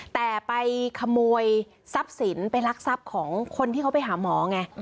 แต่ไปขโมยทรัพย์สินไปรักทรัพย์ของคนที่เขาไปหาหมอไง